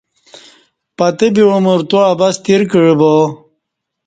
پتہ بی عمر تو عبث تیر کعہ با